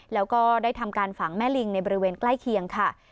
แล้วก็ได้ทำการฝังแม่ลิงในบริเวณใกล้เคียงค่ะ